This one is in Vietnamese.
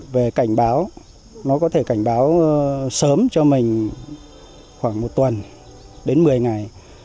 về cảnh báo nó có thể cảnh báo sớm cho mình khoảng một tuần đến một mươi ngày